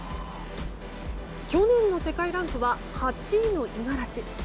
去年の世界ランクは８位の五十嵐。